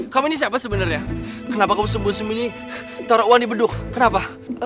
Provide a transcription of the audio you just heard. kamu ini siapa sebenarnya kenapa kamu sumbu sembunyi taruh uang di beduk kenapa